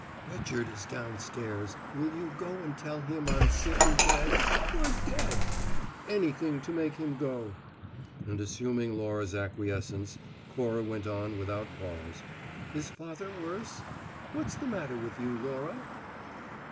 "Richard is downstairs. Will you go and tell him I'm sick in bed or dead? Anything to make him go." And, assuming Laura's acquiescence, Cora went on, without pause: "Is father worse? What's the matter with you, Laura?"